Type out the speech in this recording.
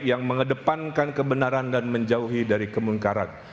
yang mengedepankan kebenaran dan menjauhi dari kemungkaran